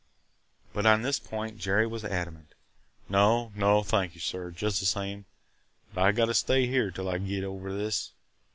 But on this point, Jerry was adamant. "No, no – thank you, sir, just the same, but I gotta stay here till I git over this.